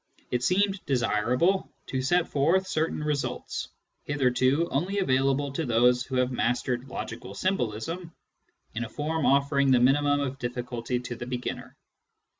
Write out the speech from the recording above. It seemed desirable to set forth certain results, hitherto only available to those who have mastered logical symbolism, in a form offering the minimum of difficulty to the beginner.